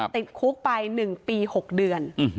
ติดคุกไป๑ปี๖เดือน